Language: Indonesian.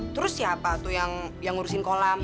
terus siapa tuh yang ngurusin kolam